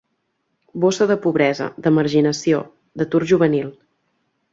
Bossa de pobresa, de marginació, d'atur juvenil.